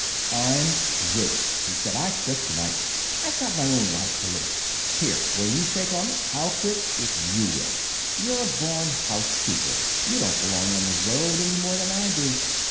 "I'm through," he said. "I quit to night. I've got my own life to live. Here, will you shake on it? I'll quit if you will. You're a born housekeeper. You don't belong on the road any more than I do.